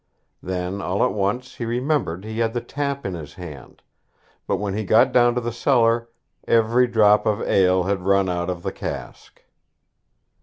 Then all at once he remembered he had the tap in his hand; but when he got down to the cellar, every drop of ale had run out of the cask.